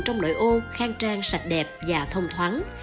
trong loại ô khang trang sạch đẹp và thông thoáng